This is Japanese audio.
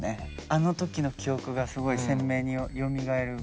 あの時の記憶がすごい鮮明によみがえるぐらい。